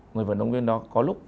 người vận động viên đó có lúc